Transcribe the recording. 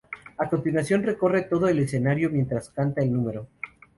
A continuación, recorre todo el escenario mientras canta el número.